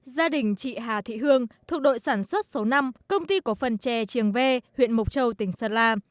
gia đình chị hà thị hương thuộc đội sản xuất số năm công ty cổ phần trè trường ve huyện mộc châu tỉnh sơn la